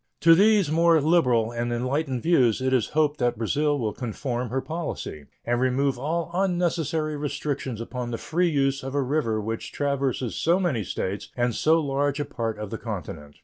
To these more liberal and enlightened views it is hoped that Brazil will conform her policy and remove all unnecessary restrictions upon the free use of a river which traverses so many states and so large a part of the continent.